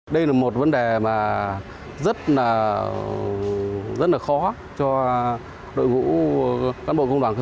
đây là một vấn đề rất khó cho đội ngũ cán bộ công đoàn cơ sở